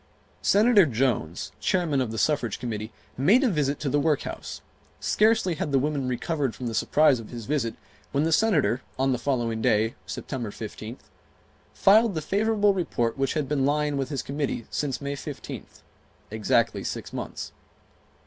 Senator Jones, Chairman of the Suffrage Committee, made a visit to the workhouse. Scarcely had the women recovered from the surprise of his visit when the Senator, on the following day, September 15th, filed the favorable report which had been lying with his Committee since May 15th, exactly six months.